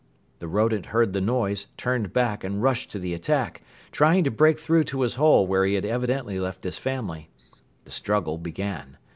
The rodent heard the noise, turned back and rushed to the attack, trying to break through to his hole where he had evidently left his family. The struggle began.